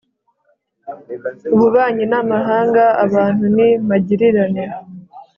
ububanyi n'amahanga abantu ni magirirane